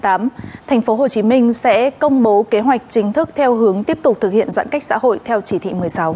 tp hcm sẽ công bố kế hoạch chính thức theo hướng tiếp tục thực hiện giãn cách xã hội theo chỉ thị một mươi sáu